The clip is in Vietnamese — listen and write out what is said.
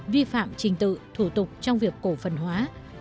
vi phạm trình tự thủ tục trong việc cổ phần hóa